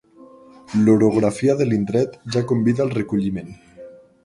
L'orografia de l'indret ja convida al recolliment.